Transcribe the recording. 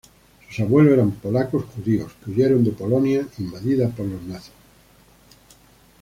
Sus abuelos eran polacos judíos, que huyeron de Polonia invadida por los nazis.